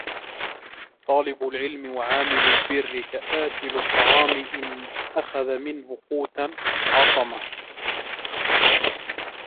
طَالِبُ الْعِلْمِ وَعَامِلُ الْبِرِّ كَآكِلِ الطَّعَامِ إنْ أَخَذَ مِنْهُ قُوتًا عَصَمَهُ